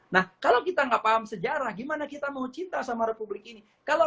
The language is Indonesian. nah kalau kita nggak paham sejarah gimana kita mau cinta sama republik ini